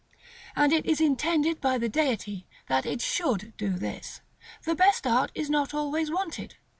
§ XLIV. And it is intended by the Deity that it should do this; the best art is not always wanted.